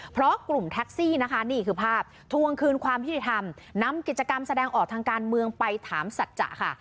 เพราะกลุ่มแท็กซี่นะคะนี่คือภาพทวงคืนความยุติธรรมนำกิจกรรมแสดงออกทางการเมืองไปถามสัจจะค่ะ